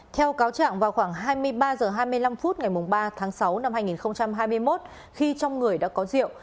theo cáo trạng vào khoảng hai mươi ba h hai mươi năm phút ngày ba tháng sáu năm hai nghìn hai mươi một khi trong người đã có rượu